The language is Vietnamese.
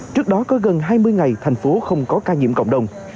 trước đó có gần hai mươi ngày thành phố không có ca nhiễm cộng đồng